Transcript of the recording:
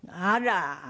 あら！